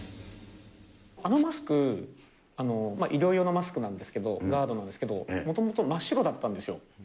あのマスク、医療用のマスクなんですけど、ガードなんですけれども、もともと真っ白だったんですよ。